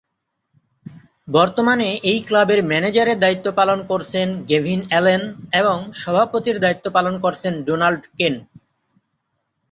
বর্তমানে এই ক্লাবের ম্যানেজারের দায়িত্ব পালন করছেন গেভিন অ্যালেন এবং সভাপতির দায়িত্ব পালন করছেন ডোনাল্ড কেন।